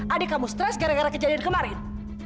adik kamu stres gara gara kejadian kemarin